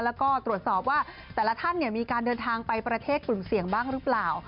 แล้วก็ตรวจสอบว่าแต่ละท่านมีการเดินทางไปประเทศกลุ่มเสี่ยงบ้างหรือเปล่า